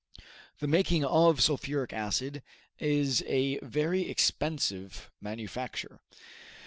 The making of sulphuric acid is a very expensive manufacture.